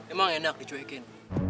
emang enak dicuekin